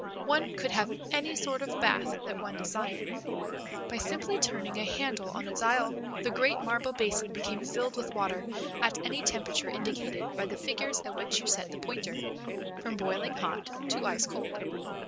One could have any sort of bath that one desired. By simply turning a handle on a dial the great marble basin became filled with water at any temperature indicated by the figures at which you set the pointer, from boiling hot to ice cold.